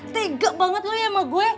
tega banget lu ya sama gue